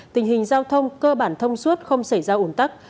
tình hình giao thông cơ bản thông suốt không xảy ra ủn tắc